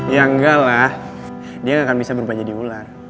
ya enggak lah dia akan bisa berubah jadi ular